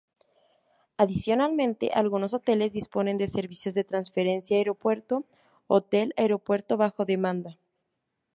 Adicionalmente, algunos hoteles disponen de servicios de transferencia aeropuerto—hotel—aeropuerto bajo demanda.